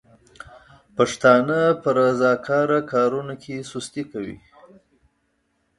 پښتانه په رضاکاره کارونو کې سستي کوي.